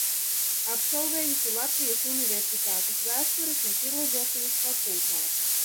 Absolvējusi Latvijas Universitātes Vēstures un filozofijas fakultāti.